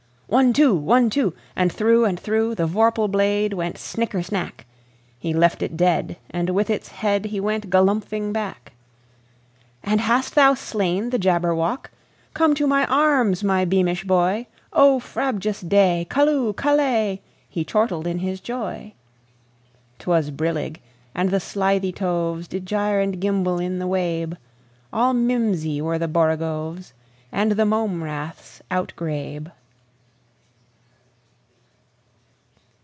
One, two! One, two! And through and throughThe vorpal blade went snicker snack! He left it dead, and with its headHe went galumphing back."And hast thou slain the Jabberwock? Come to my arms, my beamish boy!O frabjous day! Callooh! Callay!"He chortled in his joy.'T was brillig, and the slithy tovesDid gyre and gimble in the wabe; All mimsy were the borogoves, And the mome raths outgrabe.